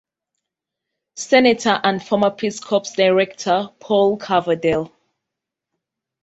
Senator and former Peace Corps Director Paul Coverdell.